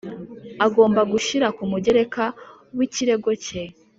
Agomba gushyira ku mugereka w ikirego cye